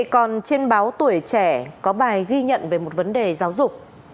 còn trên báo tuổi trẻ có bài ghi nhận về một vấn đề giáo dục